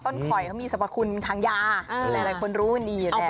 ต้นข่อยเขามีสมคคลทางยาอะไรคนรู้อันนี้อยู่แล้ว